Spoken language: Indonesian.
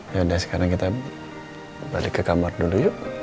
yaudah sekarang kita balik ke kamar dulu yuk